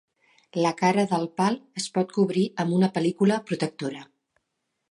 La cara del pal es pot cobrir amb una pel·lícula protectora.